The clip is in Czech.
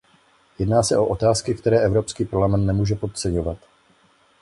Jedná se o otázky, které Evropský parlament nemůže podceňovat.